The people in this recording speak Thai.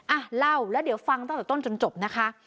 อ่ะเล่าแล้วเดี๋ยวฟังตั้งแต่ต้นจนจบนะคะ